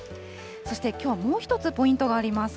そして、きょうはもう１つポイントがあります。